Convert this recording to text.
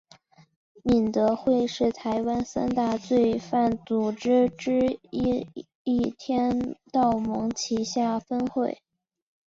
敏德会是台湾三大犯罪组织之一天道盟旗下分会。